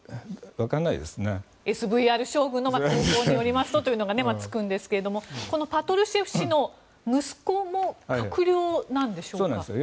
ＳＶＲ将軍の投稿によりますとというのがつくんですがこのパトルシェフ氏の息子も閣僚なんでしょうか。